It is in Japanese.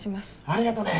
ありがとね。